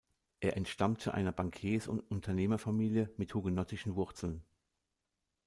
Er entstammte einer Bankiers- und Unternehmerfamilie mit hugenottischen Wurzeln.